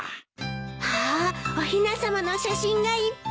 わあおひなさまの写真がいっぱい！